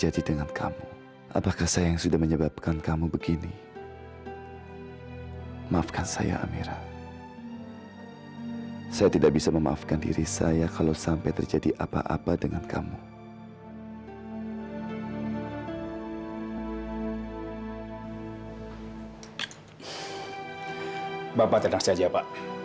sampai jumpa di video selanjutnya